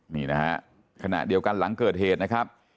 นี่นะฮะขณะเดียวกันหลังเกิดเหตุนะครับ